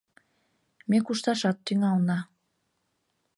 Ме кушташат тӱҥална.